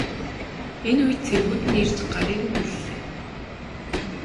Энэ үед цэргүүд нь ирж гарыг нь хүллээ.